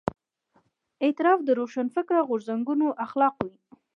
اعتراف د روښانفکره غورځنګونو اخلاق وي.